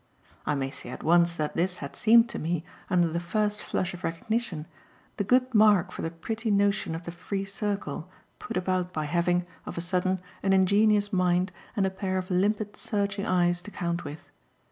I may say at once that this had seemed to me, under the first flush of recognition, the good mark for the pretty notion of the "free circle" put about by having, of a sudden, an ingenuous mind and a pair of limpid searching eyes to count with.